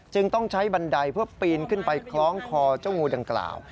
ต้องใช้บันไดเพื่อปีนขึ้นไปคล้องคอเจ้างูดังกล่าว